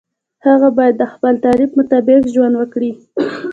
هغه باید د خپل تعریف مطابق ژوند وکړي.